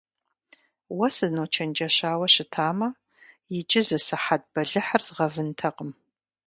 Уэ сыночэнджэщауэ щытамэ, иджы сызыхэт бэлыхьыр згъэвынтэкъым.